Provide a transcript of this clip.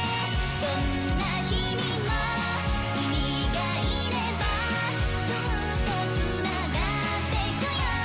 どんな日々も君がいればずっと繋がってゆくよ